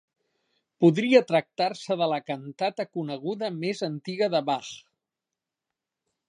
Podria tractar-se de la cantata coneguda més antiga de Bach.